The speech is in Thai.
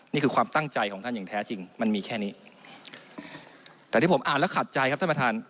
นี่คือความตั้งใจของท่านอย่างแท้จริงมันมีแค่นี้แต่ที่ผมอ่านแล้วขัดใจครับท่านประธาน